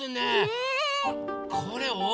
うん。